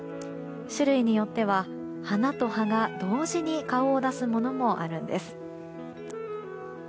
種類によっては花と花同時に顔を出すものもあるんです。